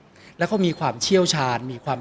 ก็ต้องทำอย่างที่บอกว่าช่องคุณวิชากำลังทำอยู่นั่นนะครับ